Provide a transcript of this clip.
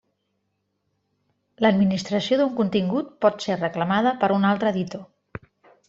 L'administració d'un contingut pot ser reclamada per un altre editor.